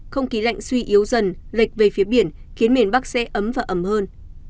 không khí lạnh suy yếu dần lệch về phía biển khiến miền bắc sẽ ấm và ẩm hơn